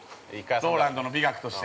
ＲＯＬＡＮＤの美学として。